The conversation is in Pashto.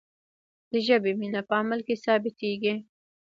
د ژبې مینه په عمل کې ثابتیږي.